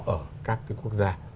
ở các cái quốc gia